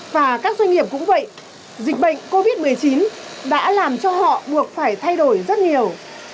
và các doanh nghiệp cũng vậy dịch bệnh covid một mươi chín đã làm cho họ buộc phải thay đổi rất nhiều